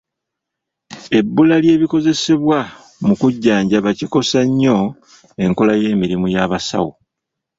Ebbula ly'ebikozesebwa mu kujjanjaba kikosa nnyo enkola y'emirimu y'abasawo.